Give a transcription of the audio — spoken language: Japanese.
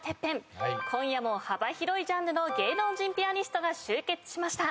今夜も幅広いジャンルの芸能人ピアニストが集結しました。